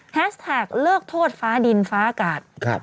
แท็กเลิกโทษฟ้าดินฟ้าอากาศ